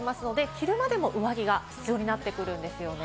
昼間でも上着が必要になってくるんですね。